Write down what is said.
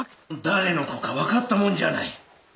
誰の子か分かったもんじゃない。